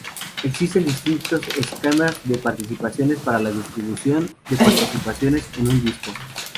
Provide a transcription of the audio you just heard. Existen distintos esquemas de particiones para la distribución de particiones en un disco.